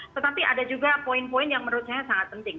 tetapi ada juga poin poin yang menurut saya sangat penting